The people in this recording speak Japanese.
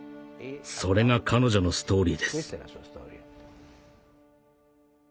それが彼女のストーリーです。